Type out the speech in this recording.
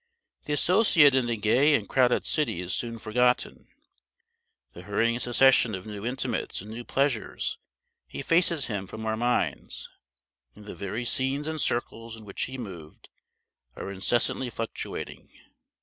The associate in the gay and crowded city is soon forgotten; the hurrying succession of new intimates and new pleasures effaces him from our minds, and the very scenes and circles in which he moved are incessantly fluctuating.